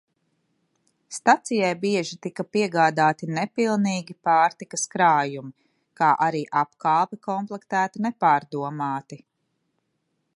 Stacijai bieži tika piegādāti nepilnīgi pārtikas krājumi, kā arī apkalpe komplektēta nepārdomāti.